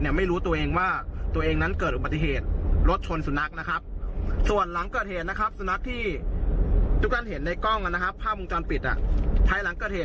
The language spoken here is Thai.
ก็คือท่านเห็นในกล้องละครับผ้าวงจรปิดน่ะท้ายหลังกับเธศ